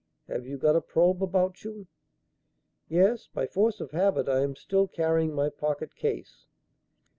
Have you got a probe about you?" "Yes; by force of habit I am still carrying my pocket case."